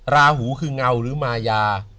ราหูคือเงาหรือมายา